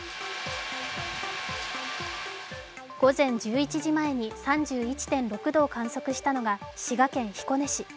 午前１１時前に３１．６度を観測したのが滋賀県彦根市。